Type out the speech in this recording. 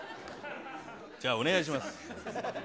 じゃあ、お願いします。